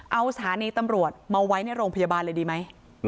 เอาสถานีตำรวจมาไว้ในโรงพยาบาลเลยดีไหม